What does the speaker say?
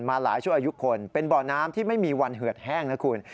มาหลายชั่วอายุคนเป็นบ่อน้ำที่ไม่มีวันเหือดแห้งนะคุณ